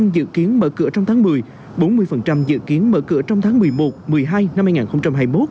dự kiến mở cửa trong tháng một mươi bốn mươi dự kiến mở cửa trong tháng một mươi một một mươi hai năm hai nghìn hai mươi một